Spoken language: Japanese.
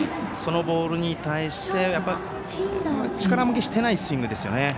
そのボールに対して力負けしてないスイングですよね。